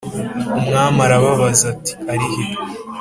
Umwami arababaza ati arihe